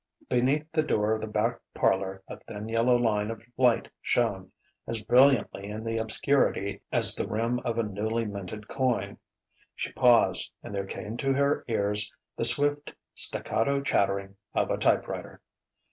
Beneath the door of the back parlour a thin yellow line of light shone, as brilliant in the obscurity as the rim of a newly minted coin. She paused; and there came to her ears the swift staccato chattering of a typewriter.